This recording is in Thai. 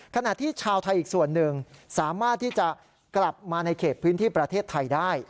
ขณะที่ชาวไทยอีกส่วนหนึ่งสามารถที่จะกลับมาในเขตพื้นที่ประเทศไทยได้